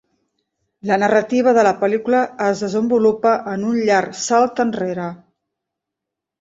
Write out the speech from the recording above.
La narrativa de la pel·lícula es desenvolupa en un llarg salt enrere.